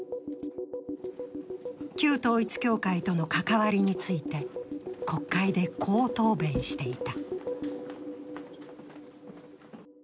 旧統一教会との関わりについて国会でこう答弁していた。